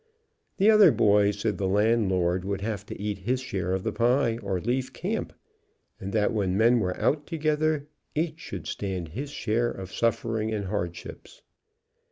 The other boys said the Landlord would have to eat his share of the pie, or leave camp, that when men were out together each should stand his share of the suffering and hardships.